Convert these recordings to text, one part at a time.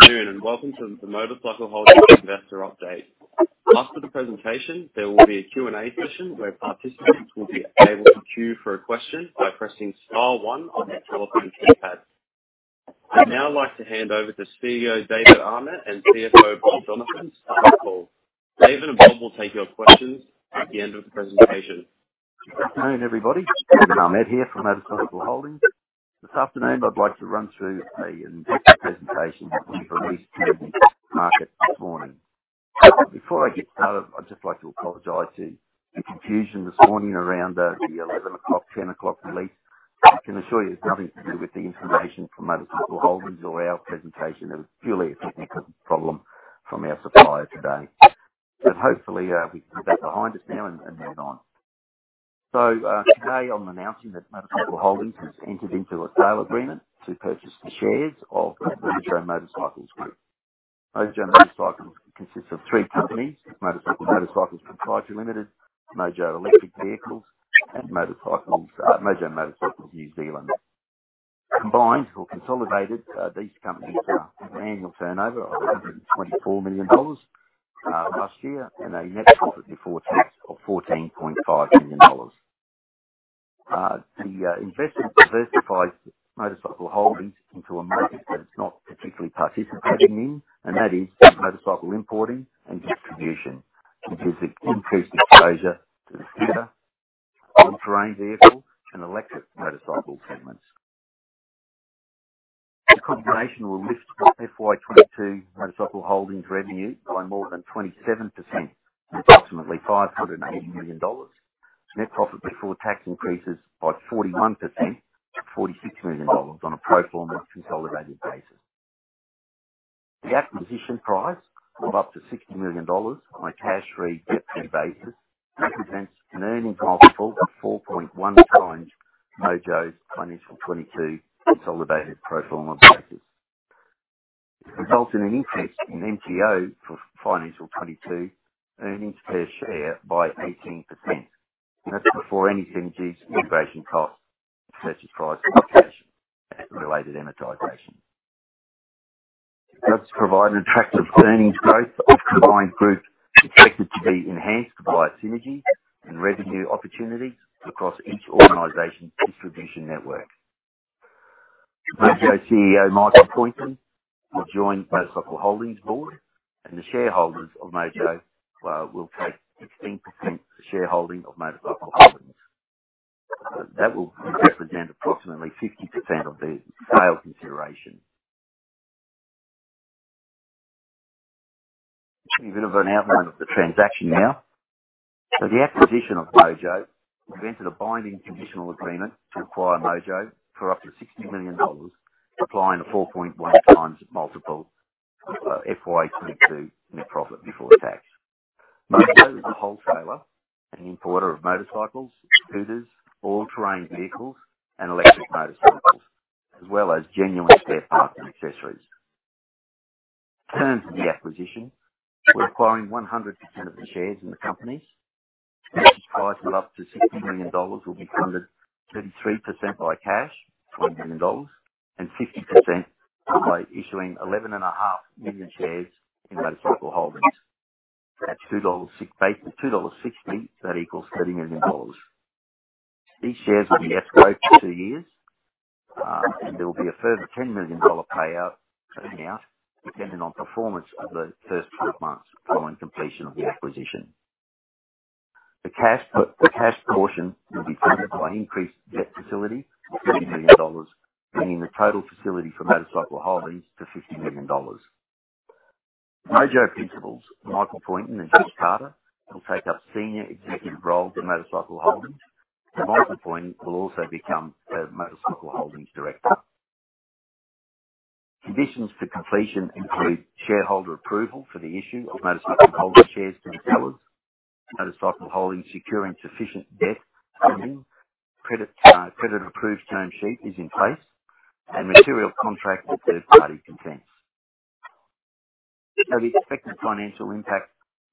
Good afternoon, and welcome to the MotorCycle Holdings Investor Update. After the presentation, there will be a Q&A session where participants will be able to queue for a question by pressing star one on their telephone keypad. I'd now like to hand over to CEO David Ahmet and CFO Bob Gilligan to start the call. David and Bob will take your questions at the end of the presentation. Good afternoon, everybody. David Ahmet here from MotorCycle Holdings. This afternoon, I'd like to run through an investor presentation that we've released to the market this morning. Before I get started, I'd just like to apologize for the confusion this morning around the 11 o'clock, 10 o'clock release. I can assure you it's nothing to do with the information from MotorCycle Holdings or our presentation. It was purely a technical problem from our supplier today. Hopefully, we can leave that behind us now and move on. Today I'm announcing that MotorCycle Holdings has entered into a sale agreement to purchase the shares of the Mojo Group. Mojo Motorcycles consists of three companies, Mojo Motorcycles Proprietary Limited, Mojo Electric Vehicles, and Mojo Motorcycles New Zealand. Combined or consolidated, these companies have an annual turnover of 124 million dollars last year and a net profit before tax of 14.5 million dollars. The investment diversifies MotorCycle Holdings into a market that it's not particularly participating in, and that is motorcycle importing and distribution. It gives it increased exposure to the scooter, all-terrain vehicle, and electric motorcycle segments. The combination will lift FY 2022 MotorCycle Holdings revenue by more than 27%, approximately 580 million dollars. Net profit before tax increases by 41% to 46 million dollars on a pro forma consolidated basis. The acquisition price of up to 60 million dollars on a cash-free debt-free basis represents an earnings multiple of 4.1x Mojo's FY 2022 consolidated pro forma basis. It results in an increase in NTO for FY 2022 earnings per share by 18%. That's before any synergies, integration costs, purchase price allocation, and related amortization. It does provide an attractive earnings growth of combined group expected to be enhanced by synergy and revenue opportunities across each organization's distribution network. Mojo CEO, Michael Poynton, will join MotorCycle Holdings' board, and the shareholders of Mojo will take 16% shareholding of MotorCycle Holdings. That will represent approximately 50% of the sale consideration. A bit of an outline of the transaction now. For the acquisition of Mojo, we've entered a binding conditional agreement to acquire Mojo for up to 60 million dollars, applying a 4.1x multiple of FY 2022 net profit before tax. Mojo is a wholesaler and importer of motorcycles, scooters, all-terrain vehicles, and electric motorcycles, as well as genuine spare parts and accessories. Terms of the acquisition. We're acquiring 100% of the shares in the companies. Purchase price of up to 60 million dollars will be funded 33% by cash, 20 million dollars, and 60% by issuing 11.5 million shares in MotorCycle Holdings. At AUD 2.60, that equals 30 million dollars. These shares will be escrowed for two years, and there will be a further 10 million dollar payout amount depending on performance of the first 12 months following completion of the acquisition. The cash portion will be funded by increased debt facility of 30 million dollars, bringing the total facility for MotorCycle Holdings to 50 million dollars. Mojo principals, Michael Poynton and Joshua Carter, will take up senior executive roles at MotorCycle Holdings, and Michael Poynton will also become a MotorCycle Holdings director. Conditions for completion include shareholder approval for the issue of MotorCycle Holdings shares to the sellers, MotorCycle Holdings securing sufficient debt funding, credit approved term sheet is in place, and material contract with third party consents. Now, the expected financial impact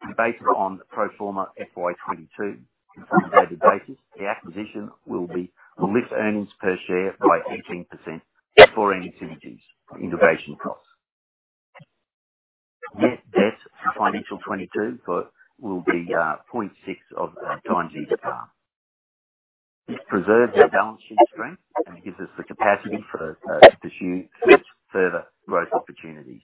is based on the pro forma FY 2022 consolidated basis. The acquisition will lift earnings per share by 18% before any synergies or integration costs. Net debt for FY 2022 will be 0.6x EBITDA. This preserves our balance sheet strength and gives us the capacity to pursue further growth opportunities.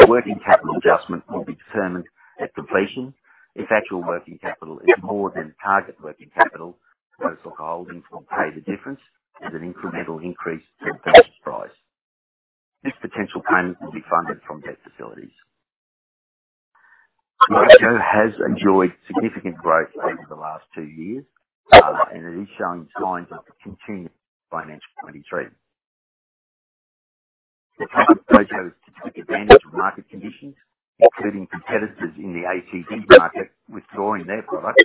A working capital adjustment will be determined at completion. If actual working capital is more than target working capital, MotorCycle Holdings will pay the difference as an incremental increase to the purchase price. This potential payment will be funded from debt facilities. Mojo has enjoyed significant growth over the last two years, and it is showing signs of continued in FY 2023. The current Mojo is taking advantage of market conditions, including competitors in the ATV market withdrawing their products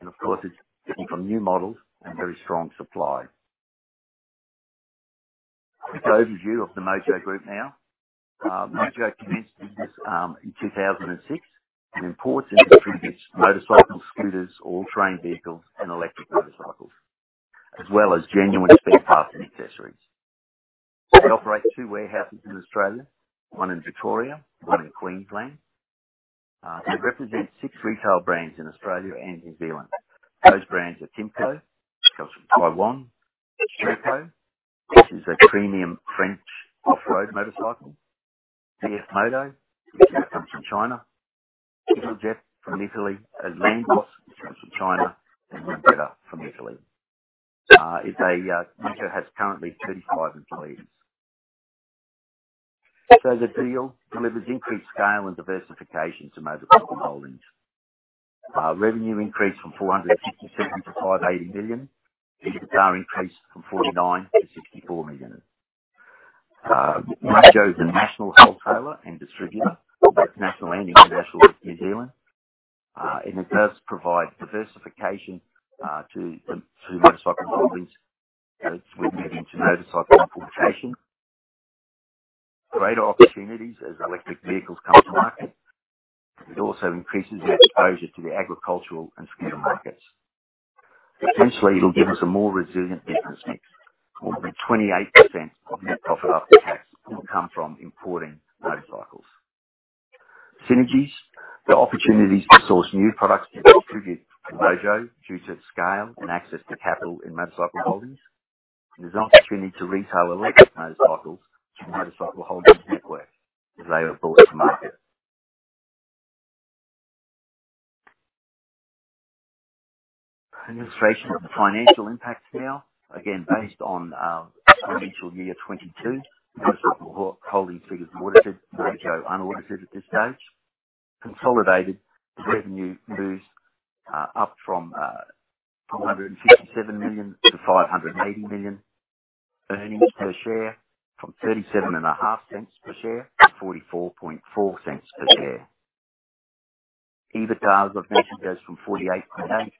and, of course, it's looking for new models and very strong supply. Just an overview of the Mojo Group now. Mojo commenced business in 2006 and imports and distributes motorcycles, scooters, all-terrain vehicles, and electric motorcycles. As well as genuine spare parts and accessories. They operate two warehouses in Australia, one in Victoria, one in Queensland. They represent six retail brands in Australia and New Zealand. Those brands are Kymco, which comes from Taiwan, Sherco, which is a premium French off-road motorcycle. CFMOTO, which comes from China. Italjet from Italy. Linhai, which comes from China, and Lambretta from Italy. Mojo has currently 35 employees. The deal delivers increased scale and diversification to MotorCycle Holdings. Revenue increased from 467 million to 580 million. EBITDA increased from 49 million to 64 million. Mojo is a national wholesaler and distributor, both national and international in New Zealand. It does provide diversification to MotorCycle Holdings as we move into motorcycle importation. Greater opportunities as electric vehicles come to market. It also increases our exposure to the agricultural and scooter markets. Potentially, it'll give us a more resilient business mix, where only 28% of net profit after tax will come from importing motorcycles. Synergies. The opportunities to source new products to distribute through Mojo due to its scale and access to capital in MotorCycle Holdings. There's an opportunity to retail electric motorcycles to MotorCycle Holdings network as they are brought to market. Illustration of the financial impacts now. Again, based on financial year 2022. MotorCycle Holdings figures audited, Mojo unaudited at this stage. Consolidated revenue moves up from 457 million to 580 million. Earnings per share from 37.5 cents per share to 44.4 cents per share. EBITDA, as I've mentioned, goes from 48.8 million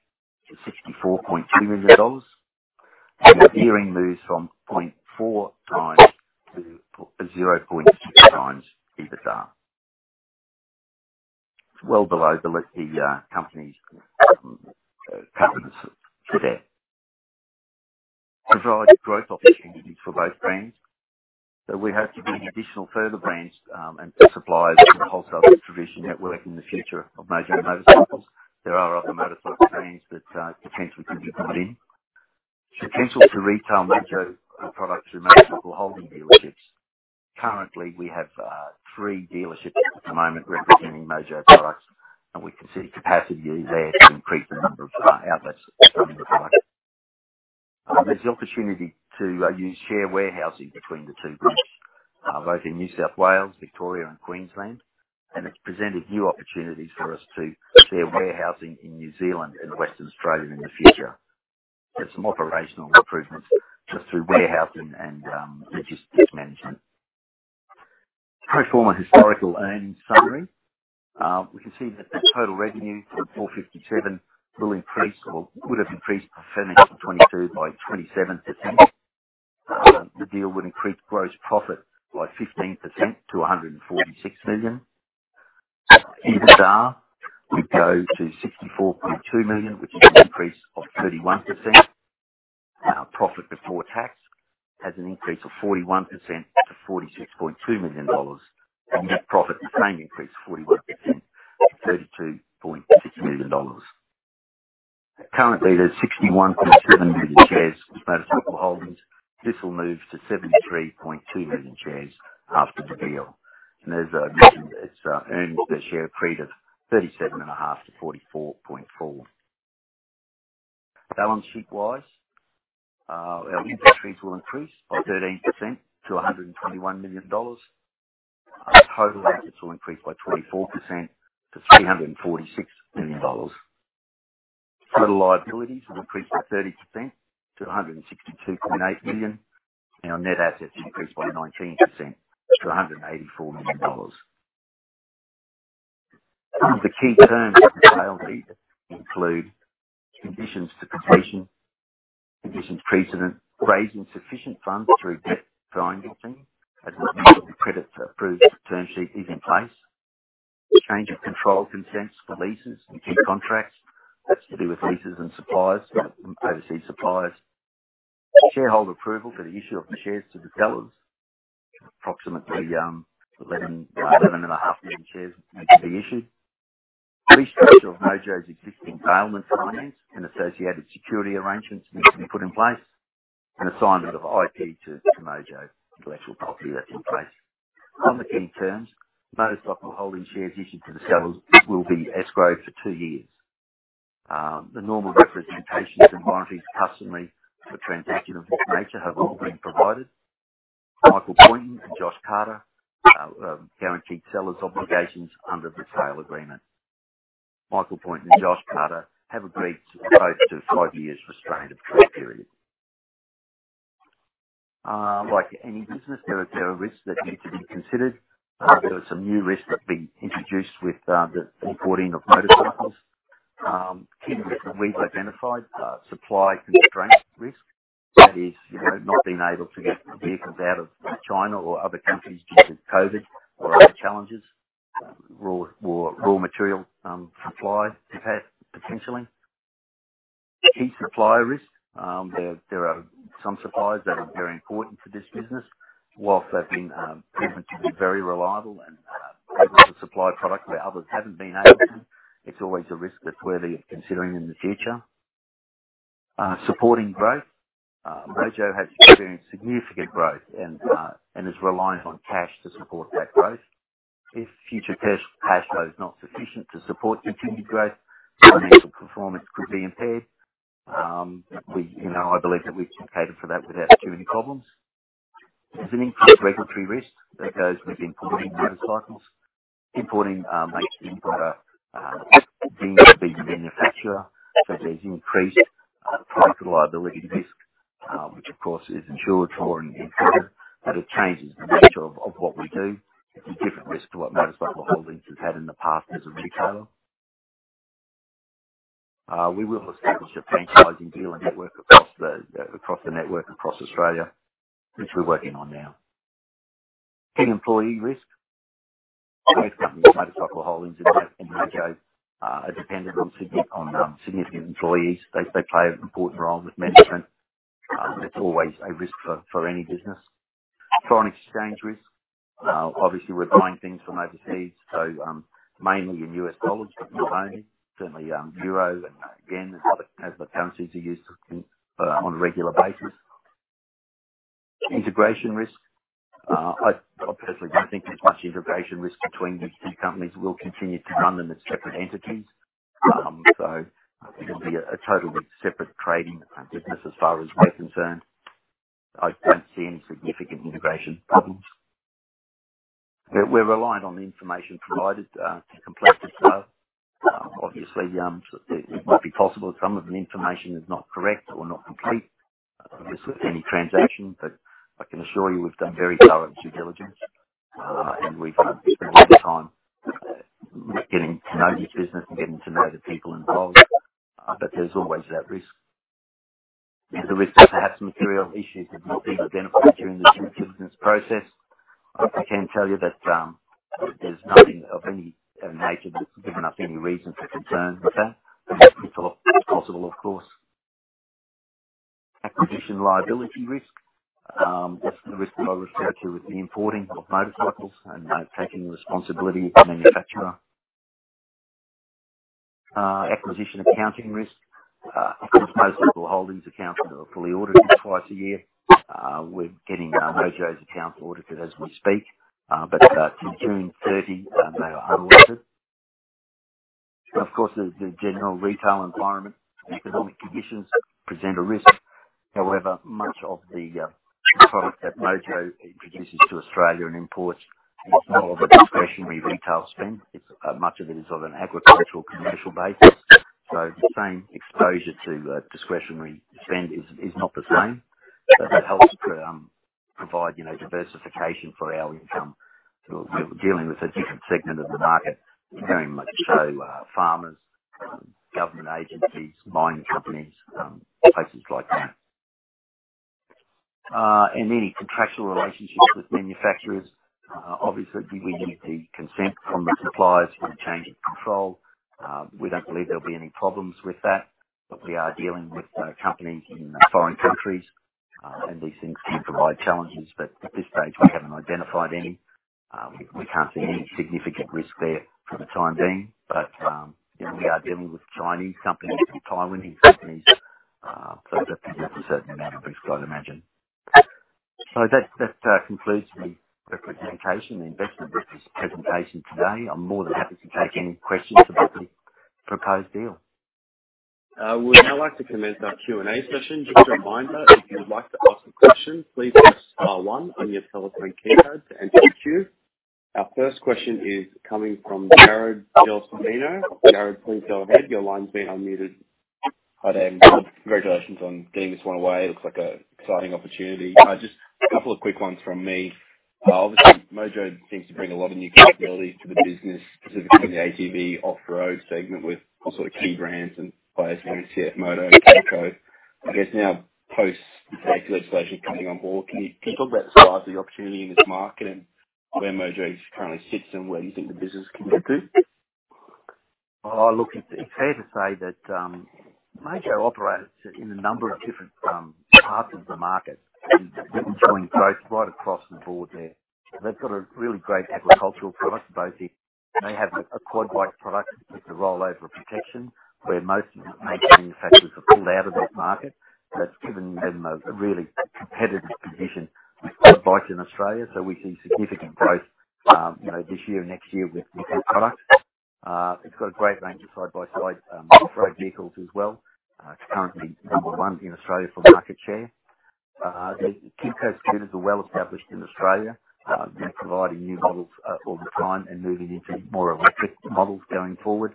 to 64.2 million dollars. The gearing moves from 0.4x to 0.2x EBITDA. It's well below the company's covenants for debt. Provide growth opportunities for both brands. We hope to bring additional further brands and suppliers to the wholesale distribution network in the future of Mojo Motorcycles. There are other motorcycle brands that potentially could be brought in. Potential to retail Mojo products through MotorCycle Holdings dealerships. Currently, we have three dealerships at the moment representing Mojo products, and we can see capacity is there to increase the number of outlets going forward. There's the opportunity to use shared warehousing between the two groups both in New South Wales, Victoria, and Queensland. It's presented new opportunities for us to share warehousing in New Zealand and Western Australia in the future. Get some operational improvements just through warehousing and logistics management. Pro forma historical earnings summary. We can see that the total revenue from 457 million will increase or would have increased for financial 22 by 27%. The deal would increase gross profit by 15% to 146 million. EBITDA would go to 64.2 million, which is an increase of 31%. Profit before tax has an increase of 41% to 46.2 million dollars. Net profit, the same increase, 41% to 32.6 million dollars. Currently, there's 61.7 million shares with MotorCycle Holdings. This will move to 73.2 million shares after the deal. As I mentioned, its earnings per share accrete of 37.5-44.4. Balance sheet wise, our inventories will increase by 13% to 121 million dollars. Total assets will increase by 24% to 346 million dollars. Total liabilities will increase by 30% to 162.8 million. Our net assets increase by 19% to 184 million dollars. Some of the key terms of the sale deed include conditions to completion, conditions precedent, raising sufficient funds through debt financing, as and when a credit-approved term sheet is in place. Change of control consents for leases and key contracts. That's to do with leases and suppliers, overseas suppliers. Shareholder approval for the issue of shares to the sellers. Approximately 11.5 million shares need to be issued. Restructure of Mojo's existing bailment finance and associated security arrangements needs to be put in place. Assignment of IP to Mojo intellectual property that's in place. On the key terms, MotorCycle Holdings shares issued to the sellers will be escrowed for two years. The normal representations and warranties customary for transaction of this nature have all been provided. Michael Poynton and Joshua Carter guaranteed sellers' obligations under the sale agreement. Michael Poynton and Josh Carter have agreed to both to five years' restraint of trade period. Like any business, there are risks that need to be considered. There are some new risks that have been introduced with the importing of motorcycles. Key risks that we've identified, supply constraints risk. That is, you know, not being able to get the vehicles out of China or other countries due to COVID or other challenges. Raw material supply capacity potentially. Key supplier risk. There are some suppliers that are very important for this business. Whilst they've been proven to be very reliable and able to supply product where others haven't been able to, it's always a risk that's worthy of considering in the future. Supporting growth. Mojo has experienced significant growth and is reliant on cash to support that growth. If future cash flow is not sufficient to support continued growth, financial performance could be impaired. We, you know, I believe that we can cater for that without too many problems. There's an increased regulatory risk that goes with importing motorcycles. Importing makes the importer the manufacturer. There's increased product liability risk, which of course is insured, but it changes the nature of what we do. It's a different risk to what MotorCycle Holdings has had in the past as a retailer. We will establish a franchising dealer network across the network across Australia, which we're working on now. Key employee risk. Both MotorCycle Holdings and Mojo are dependent on significant employees. They play an important role with management. That's always a risk for any business. Foreign exchange risk. Obviously we're buying things from overseas, mainly in U.S. dollars, but not only. Certainly, euro and yen and other currencies are used on a regular basis. Integration risk. I personally don't think there's much integration risk between the two companies. We'll continue to run them as separate entities. It'll be a total separate trading business as far as we're concerned. I don't see any significant integration problems. We're reliant on the information provided to complete this sale. Obviously, it might be possible that some of the information is not correct or not complete, obviously with any transaction, but I can assure you we've done very thorough due diligence, and we've spent a lot of time getting to know this business and getting to know the people involved. There's always that risk. There's a risk of perhaps material issues that have not been identified during the due diligence process. I can tell you that, there's nothing of any nature that's given us any reason for concern with that. It's possible of course. Acquisition liability risk. That's the risk that I referred to with the importing of motorcycles and taking the responsibility of the manufacturer. Acquisition accounting risk. Of course, MotorCycle Holdings accounts are fully audited twice a year. We're getting Mojo's accounts audited as we speak. To June 30, they are unaudited. Of course, the general retail environment, economic conditions present a risk. However, much of the product that Mojo introduces to Australia and imports is more of a discretionary retail spend. It's much of it is of an agricultural commercial basis. The same exposure to discretionary spend is not the same. That helps to provide, you know, diversification for our income. We're dealing with a different segment of the market, very much so, farmers, government agencies, mining companies, places like that. Any contractual relationships with manufacturers. Obviously we need the consent from the suppliers for the change of control. We don't believe there'll be any problems with that, but we are dealing with companies in foreign countries, and these things can provide challenges. At this stage, we haven't identified any. We can't see any significant risk there for the time being. Yeah, we are dealing with Chinese companies and Taiwanese companies, so that does bring a certain amount of risk I'd imagine. That concludes the presentation, the investment business presentation today. I'm more than happy to take any questions about the proposed deal. We'd now like to commence our Q&A session. Just a reminder, if you'd like to ask a question, please press star one on your telephone keypad to enter the queue. Our first question is coming from Jarrod Del Sprmino. Jarrod, please go ahead. Your line's been unmuted. Hi there, and congratulations on getting this one away. It looks like a exciting opportunity. Just a couple of quick ones from me. Obviously, Mojo seems to bring a lot of new capabilities to the business, specifically in the ATV off-road segment with all sort of key brands and players like CFMOTO and Kymco. I guess now post the safety legislation coming on board, can you talk about the size of the opportunity in this market and where Mojo currently sits and where you think the business can get to? Oh, look, it's fair to say that Mojo operates in a number of different parts of the market and is enjoying growth right across the board there. They've got a really great agricultural product base. They have a quad bike product with the rollover protection where most of the major manufacturers have pulled out of that market. That's given them a really competitive position with quad bikes in Australia. We see significant growth, you know, this year, next year with that product. It's got a great range of side-by-side off-road vehicles as well. It's currently number one in Australia for market share. The Kymco scooters are well established in Australia and have been providing new models all the time and moving into more electric models going forward.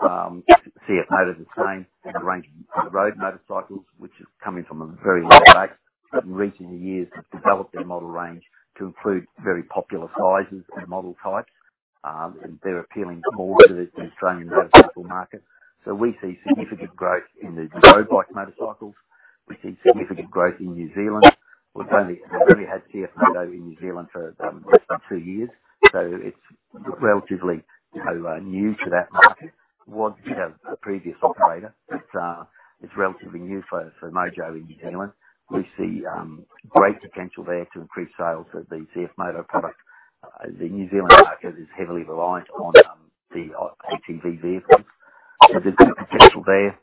CFMOTO's the same. They have a range of road motorcycles, which is coming from a very low base, but in recent years have developed their model range to include very popular sizes and model types. They're appealing more to the Australian motorcycle market. We see significant growth in the road bike motorcycles. We see significant growth in New Zealand. We've only had CFMOTO in New Zealand for just two years, so it's relatively, you know, new to that market. Was, you know, a previous operator. It's relatively new for Mojo in New Zealand. We see great potential there to increase sales of the CFMOTO product. The New Zealand market is heavily reliant on the ATV vehicles. There's good potential there.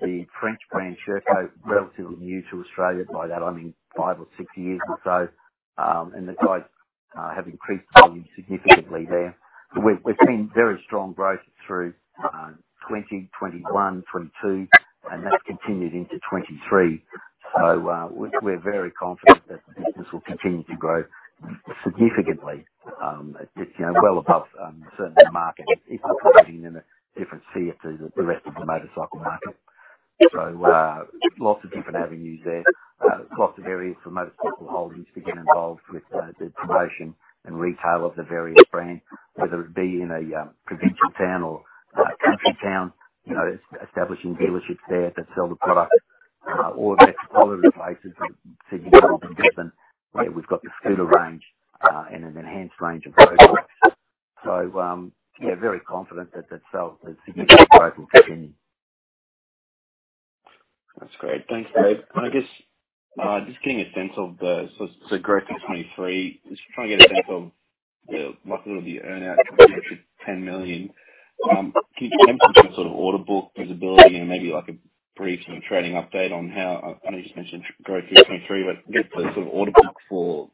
The French brand Sherco, relatively new to Australia. By that, I mean five or six years or so. The guys have increased volume significantly there. We've seen very strong growth through 2021, 2022, and that's continued into 2023. We're very confident that the business will continue to grow significantly. It's, you know, well above certainly the market. It's operating in a different sphere to the rest of the motorcycle market. Lots of different avenues there. Lots of areas for MotorCycle Holdings to get involved with the promotion and retail of the various brands, whether it be in a provincial town or a country town, you know, establishing dealerships there to sell the product or the smaller places like Sydney, Melbourne, Brisbane, where we've got the scooter range and an enhanced range of products. Yeah, very confident that the sales, the significant growth will continue. That's great. Thanks, David. I guess just getting a sense of the so-so growth in 2023. Just trying to get a sense of the likelihood of the earn out to get to 10 million. Can you talk to sort of order book visibility and maybe like a brief sort of trading update. I know you just mentioned growth for 2023, but the sort of order book for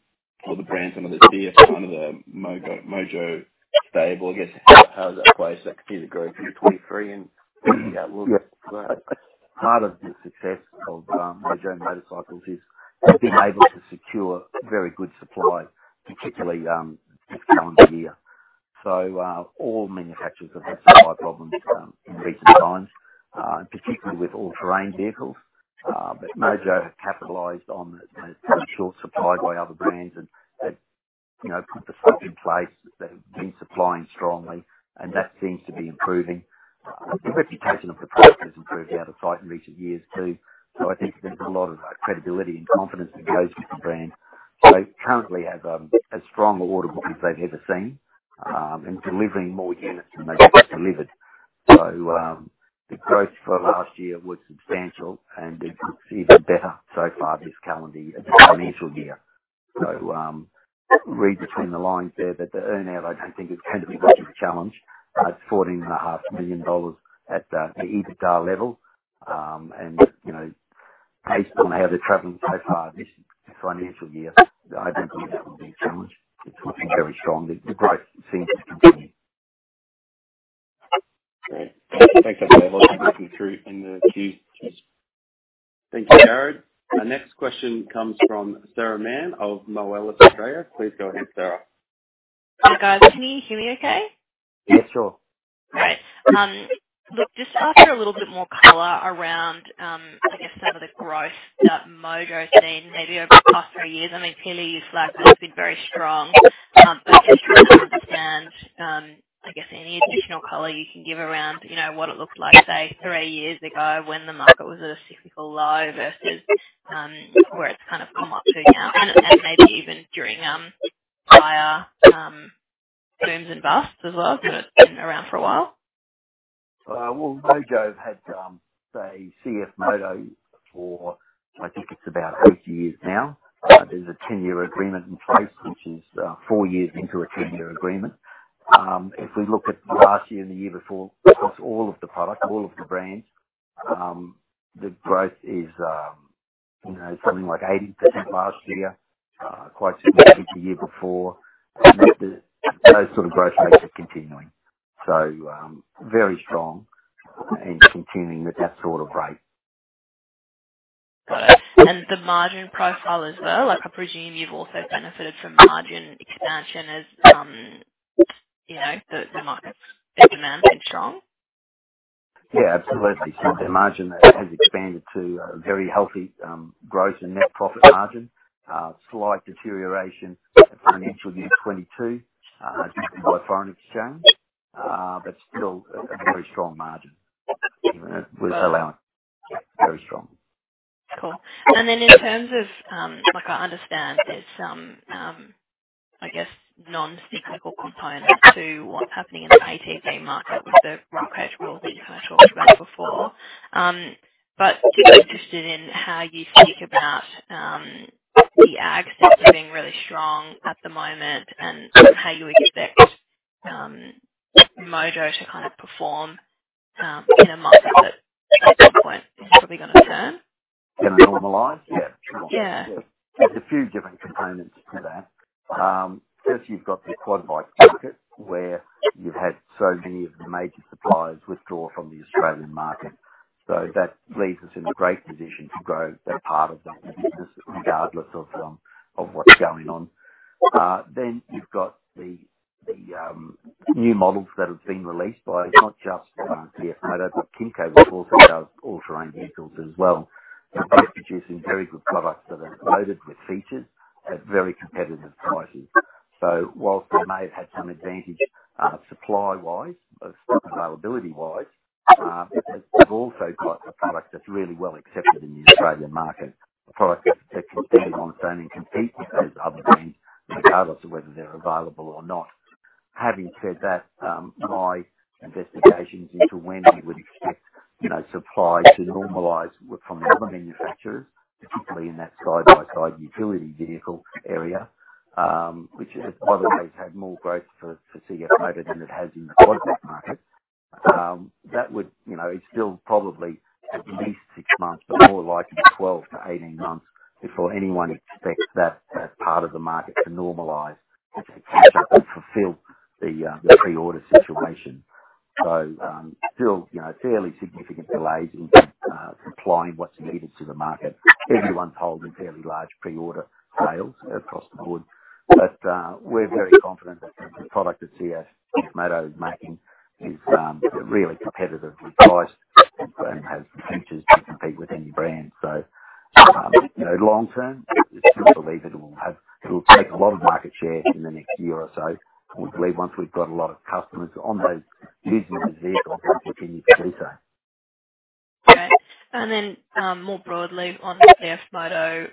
the brands under the CFMOTO, under the Mojo stable, I guess, how does that play into the growth for 2023. Part of the success of Mojo Motorcycles is being able to secure very good supply, particularly this time of the year. All manufacturers have had supply problems in recent times, and particularly with all-terrain vehicles. Mojo have capitalized on the short supply by other brands and they've, you know, put the stock in place. They've been supplying strongly, and that seems to be improving. The reputation of the product has improved outside in recent years, too. I think there's a lot of credibility and confidence that goes with the brand. Currently have as strong order book as they've ever seen, and delivering more units than they've ever delivered. The growth for last year was substantial and it looks even better so far this calendar, this financial year. Read between the lines there, but the earn-out I don't think is going to be much of a challenge. It's 14.5 million dollars at the EBITDA level. You know, based on how they're traveling so far this financial year, I don't think that will be a challenge. It's looking very strong. The growth seems to continue. Great. Thanks through in the queue. Thank you, Jarrod. Our next question comes from Sarah Mann of Moelis Australia. Please go ahead, Sarah. Hi, guys. Can you hear me okay? Yeah, sure. Great. Look, just after a little bit more color around, I guess some of the growth that Mojo's seen maybe over the past three years. I mean, clearly you flag that it's been very strong. I guess trying to understand, I guess any additional color you can give around, you know, what it looked like, say, three years ago when the market was at a cyclical low vs where it's kind of come up to now. Then maybe even during prior booms and busts as well, because it's been around for a while. Well, Mojo had, say, CFMOTO for I think it's about eight years now. There's a 10-year agreement in place, which is four years into a 10-year agreement. If we look at last year and the year before, across all of the products, all of the brands, the growth is, you know, something like 80% last year, quite significant the year before. Those sort of growth rates are continuing. Very strong and continuing at that sort of rate. The margin profile as well, like I presume you've also benefited from margin expansion as, you know, the market, the demand's been strong. Yeah, absolutely. The margin has expanded to a very healthy gross and net profit margin. Slight deterioration in financial year 2022, driven by foreign exchange, but still a very strong margin with allowance. Very strong. Cool. In terms of, like I understand there's some, I guess non-cyclical component to what's happening in the ATV market with the roll cage rules that you kind of talked about before. Just interested in how you think about the ag sector being really strong at the moment and how you expect Mojo to kind of perform in a market that at some point is probably gonna turn. To normalize? Yeah. Yeah. There's a few different components to that. First you've got the quad bike market where you've had so many of the major suppliers withdraw from the Australian market. That leaves us in a great position to grow that part of the business regardless of what's going on. You've got the new models that have been released by not just CFMOTO, but Kymco who also does all-terrain vehicles as well. They're producing very good products that are loaded with features. At very competitive prices. While we may have had some advantage supply-wise, or stock availability-wise, we've also got a product that's really well accepted in the Australian market. A product that can stand on its own and compete with those other brands regardless of whether they're available or not. Having said that, my investigations into when we would expect, you know, supply to normalize from the other manufacturers, particularly in that side-by-side utility vehicle area, which has by the way had more growth for CFMOTO than it has in the quad bike market. That would, you know, it's still probably at least six months, but more likely 12-18 months before anyone expects that part of the market to normalize and fulfill the pre-order situation. Still, you know, fairly significant delays in supplying what's needed to the market. Everyone's holding fairly large pre-order sales across the board, but we're very confident that the product that CFMOTO is making is really competitively priced and has the features to compete with any brand. You know, long term, we still believe it will take a lot of market share in the next year or so. We believe once we've got a lot of customers on those business vehicles, we'll continue to do so. Okay. More broadly on CFMOTO,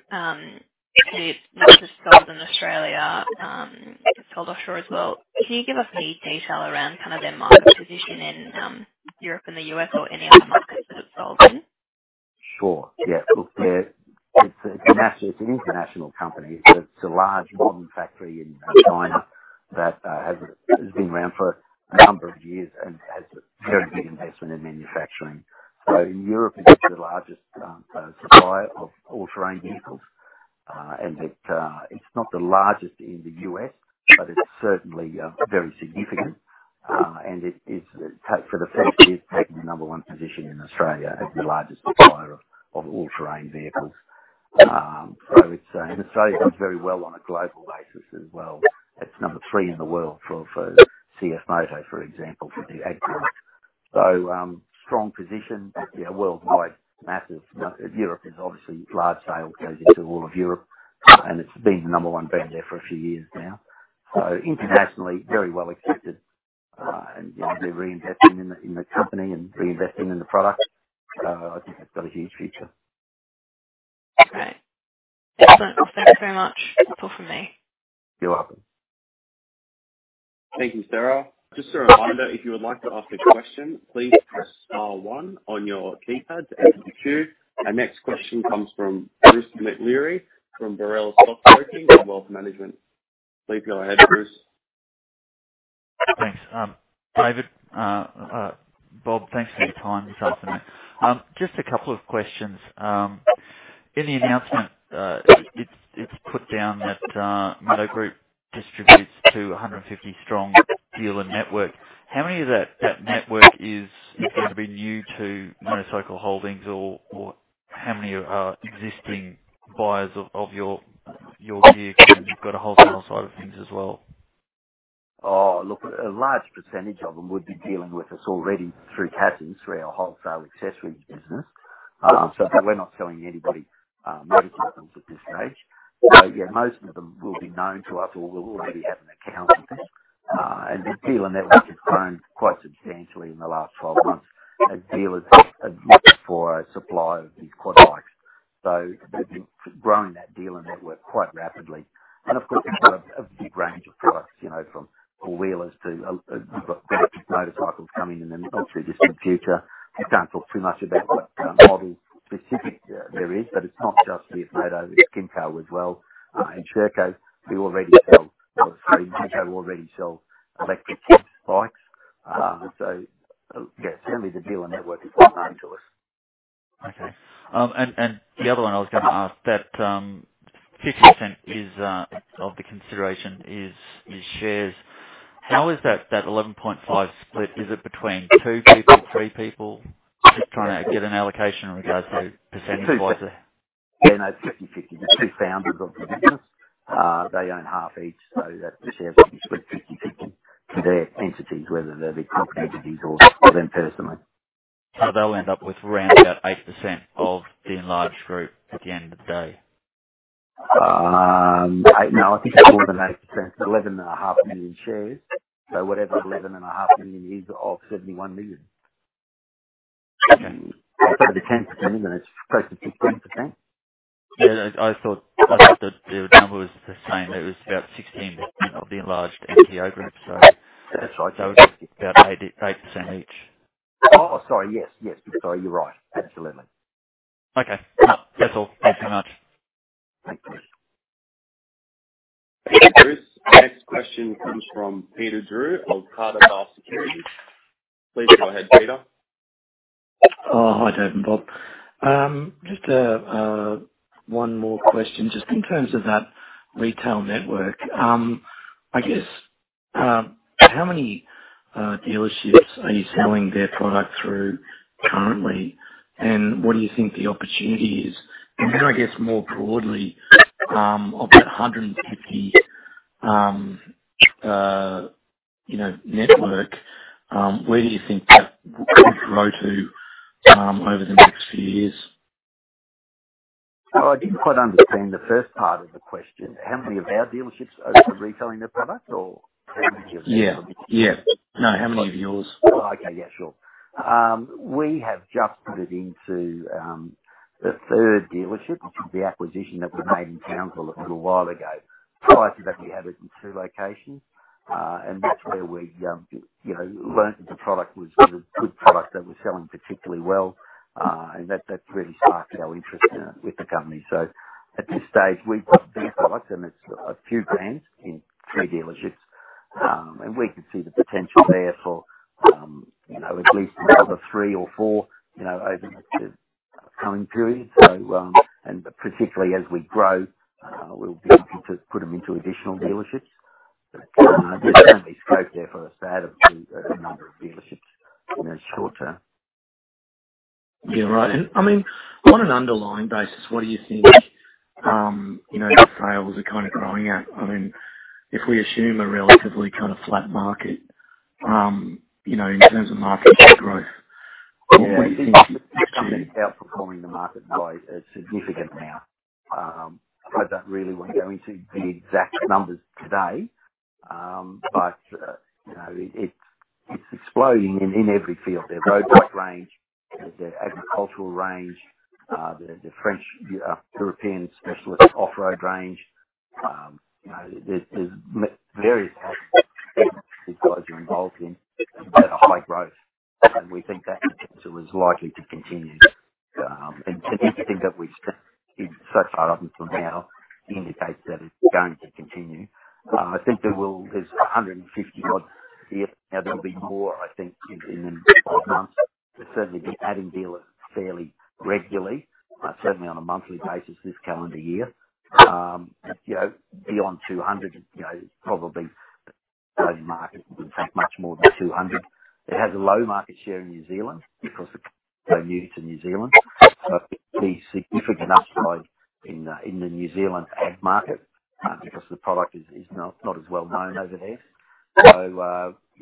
it's not just sold in Australia, it's sold offshore as well. Can you give us any detail around kind of their market position in Europe and the U.S. or any other markets that it's sold in? Sure. Yeah. Look, it's an international company. It's a large modern factory in China that has been around for a number of years and has a very big investment in manufacturing. In Europe it's the largest supplier of all-terrain vehicles. It's not the largest in the U.S., but it's certainly very significant. It is taking the number one position in Australia as the largest supplier of all-terrain vehicles. It's in Australia it does very well on a global basis as well. It's number three in the world for CFMOTO, for example, for the agri work. Strong position. Yeah, worldwide, massive. Europe is obviously large sales, goes into all of Europe, and it's been the number one brand there for a few years now. Internationally, very well accepted. You know, they're reinvesting in the company and reinvesting in the product. I think that's got a huge future. Great. Excellent. Thank you very much. That's all for me. You're welcome. Thank you, Sarah. Just a reminder, if you would like to ask a question, please press star one on your keypad to ask it. Our next question comes from Bruce McLeary from Burrell Stockbroking & Wealth Management. Please go ahead, Bruce. Thanks. David, Bob, thanks for your time this afternoon. Just a couple of questions. In the announcement, it's put down that Mojo Group distributes to a 150-strong dealer network. How many of that network is gonna be new to MotorCycle Holdings or how many are existing buyers of your gear? Because you've got a wholesale side of things as well. Oh, look, a large percentage of them would be dealing with us already through Cassons, through our wholesale accessories business. We're not selling anybody motorcycles at this stage. Yeah, most of them will be known to us or will already have an account with us. The dealer network has grown quite substantially in the last 12 months as dealers have asked for a supply of these quad bikes. They've been growing that dealer network quite rapidly. Of course, we've got a big range of products, you know, from four-wheelers to we've got electric motorcycles coming in. Obviously, I can't talk too much about what model specific there is, but it's not just CFMOTO, it's Kymco as well. Sherco, we already sell. Obviously, Kymco already sell electric e-bikes. Yeah, certainly the dealer network is well known to us. Okay. The other one I was gonna ask that 50% is of the consideration is shares. How is that 11.5 split? Is it between two people, three people? Just trying to get an allocation in regards to percentage-wise. Two people. Yeah, no 50/50. The two founders of the business, they own half each, so that's the shares will be split 50/50 to their entities, whether they're the company entities or them personally. They'll end up with around about 8% of the enlarged group at the end of the day? I think it's more than 8%. It's 11.5 million shares. Whatever 11.5 million is of 71 million. Okay. It's over 10%, isn't it? It's close to 16%. Yeah, I thought that the number was the same. It was about 16% of the enlarged MTO group. That's right. that would be about 8% each. Oh, sorry, yes. Yes. Sorry, you're right. Absolutely. Okay. No, that's all. Thanks very much. Thanks, Bruce. Thank you, Bruce. Our next question comes from Peter Drew of Canaccord Genuity Securities. Please go ahead, Peter. Oh, hi, David and Bob. Just one more question, just in terms of that retail network. I guess, how many dealerships are you selling their product through currently, and what do you think the opportunity is? Then I guess more broadly, of that 150 you know network, where do you think that will grow to, over the next few years? Well, I didn't quite understand the first part of the question. How many of our dealerships are retailing their products or how many of Yeah. Yeah. No, how many of yours? Oh, okay. Yeah, sure. We have just put it into the third dealership, which was the acquisition that we made in Townsville a little while ago. Prior to that, we had it in two locations. That's where we, you know, learned that the product was a good product that was selling particularly well, and that really sparked our interest in it with the company. At this stage we've got three products and it's a few brands in three dealerships. We can see the potential there for, you know, at least another three or four, you know, over the coming period. Particularly as we grow, we'll be looking to put them into additional dealerships. There's certainly scope there for us to add a few, a number of dealerships in the short term. Yeah, right. I mean, on an underlying basis, what do you think, you know, the sales are kind of growing at? I mean, if we assume a relatively kind of flat market, you know, in terms of market share growth, what do you think Outperforming the market by a significant amount. I don't really want to go into the exact numbers today. You know, it's exploding in every field. Their road bike range, their agricultural range, their French, European specialist off-road range. You know, there are various these guys are involved in that are high growth, and we think that potential is likely to continue. Everything that we've seen so far up until now indicates that it's going to continue. I think there will be 150-odd here. Now, there'll be more, I think, in the next five months, but certainly be adding dealers fairly regularly. Certainly on a monthly basis this calendar year. You know, beyond 200, you know, probably growing market would take much more than 200. It has a low market share in New Zealand because they're new to New Zealand. There's significant upside in the New Zealand ag market because the product is not as well known over there. You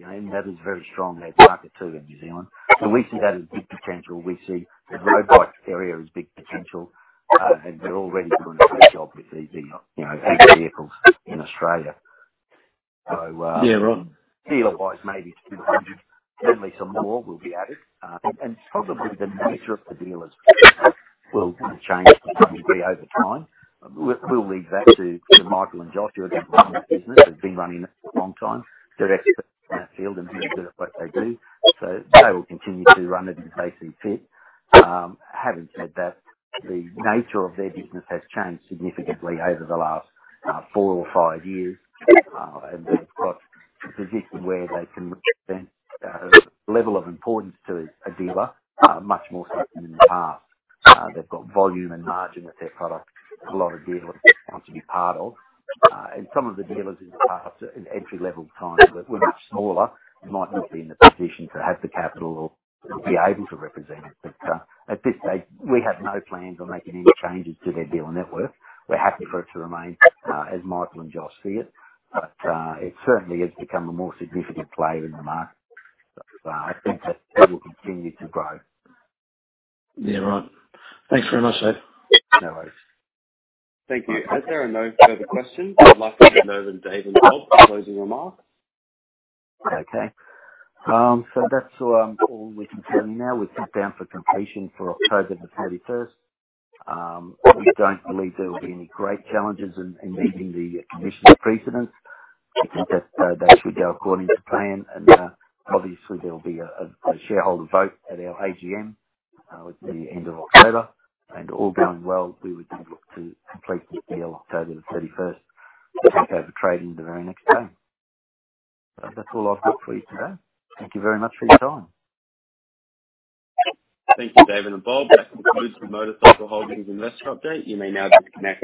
know that is a very strong ag market, too, in New Zealand. We see that as big potential. We see the road bikes area as big potential. They're already doing a great job with the you know ag vehicles in Australia. Yeah, right. Dealer-wise, maybe 200, certainly some more will be added. Probably the nature of the dealers will, kind of, change to some degree over time. We'll leave that to Michael and Josh, who are going to run the business. They've been running it for a long time. They're experts in that field and they're good at what they do, so they will continue to run it as they see fit. Having said that, the nature of their business has changed significantly over the last four or five years. They've got a position where they can represent a level of importance to a dealer, much more so than in the past. They've got volume and margin with their product a lot of dealers want to be part of. Some of the dealers in the past are an entry-level kind that were much smaller and might not be in the position to have the capital or be able to represent it. At this stage, we have no plans on making any changes to their dealer network. We're happy for it to remain as Michael and Josh see it, but it certainly has become a more significant player in the market. I think that it will continue to grow. Yeah, right. Thanks very much, Dave. No worries. Thank you. As there are no further questions, I'd like to give Nova and Dave and Bob closing remarks. Okay. So that's all we can tell you now. We're set down for completion for October the thirty-first. We don't believe there will be any great challenges in meeting the conditions of precedence. We think that should go according to plan. Obviously there will be a shareholder vote at our AGM at the end of October. All going well, we would then look to complete the deal October the thirty-first and take over trading the very next day. So that's all I've got for you today. Thank you very much for your time. Thank you, David and Bob. That concludes the MotorCycle Holdings Investor Update. You may now disconnect.